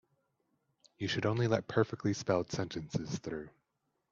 You should only let perfectly spelled sentences through.